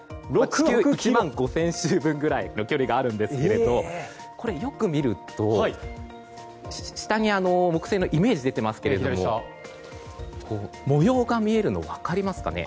地球１万５０００周ぐらいの距離があるんですけどよく見ると下に木星のイメージ画像が出ていますが模様が見えるの分かりますかね。